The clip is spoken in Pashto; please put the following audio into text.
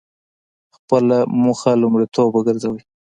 خپله موخه لومړیتوب وګرځوئ.